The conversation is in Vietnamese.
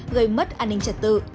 bị mất an ninh trật tự